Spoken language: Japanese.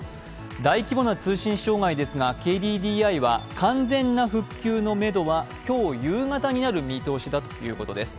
大規模な通信障害ですが、ＫＤＤＩは完全な復旧のめどは今日夕方になる見通しだということです。